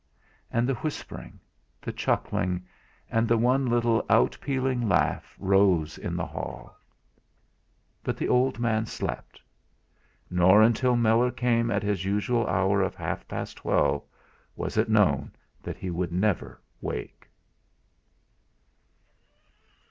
And the whispering, the chuckling, and one little out pealing laugh rose in the hall. But the old man slept. Nor until Meller came at his usual hour of half past twelve, was it known that he would never wake.